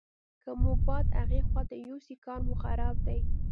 که مو باد هغې خواته یوسي کار مو خراب دی.